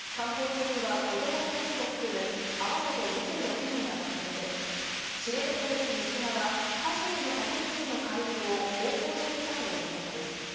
観光船には子ども２人を含む、合わせて２６人が乗っていて、知床沖西側、カシュニの滝付近の海域を航行していたということです。